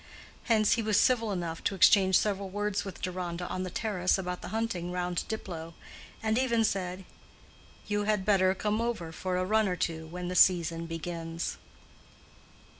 Hence he was civil enough to exchange several words with Deronda on the terrace about the hunting round Diplow, and even said, "You had better come over for a run or two when the season begins."